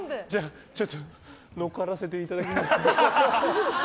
ちょっと乗っからせていただきます。